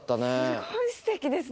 すごいすてきですね。